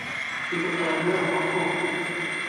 gitanga amakuru